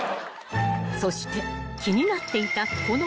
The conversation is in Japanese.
［そして気になっていたこの］